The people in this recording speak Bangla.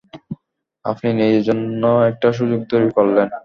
আপনি নিজের জন্য একটা সুযোগ তৈরী করলেন।